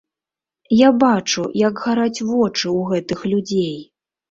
Я бачу, як гараць вочы ў гэтых людзей.